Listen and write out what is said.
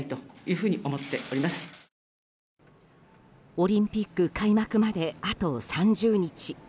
オリンピック開幕まであと３０日。